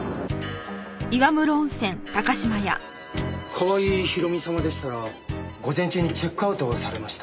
川合ひろみ様でしたら午前中にチェックアウトされました。